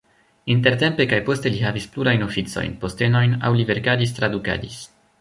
Intertempe kaj poste li havis plurajn oficojn, postenojn aŭ li verkadis, tradukadis.